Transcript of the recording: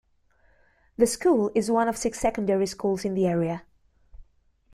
The school is one of six secondary schools in the area.